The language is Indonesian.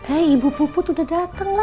eh ibu puput udah dateng lah ya